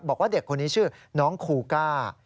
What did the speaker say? บอกว่าเด็กคนนี้ชื่อน้องคูก้า